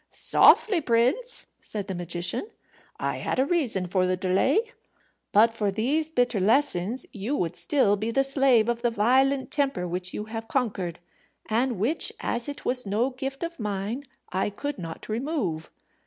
"Softly, prince," said the magician; "I had a reason for the delay. But for these bitter lessons you would still be the slave of the violent temper which you have conquered, and which, as it was no gift of mine, I could not remove.